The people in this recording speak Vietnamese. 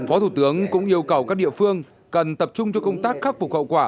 phó thủ tướng cũng yêu cầu các địa phương cần tập trung cho công tác khắc phục hậu quả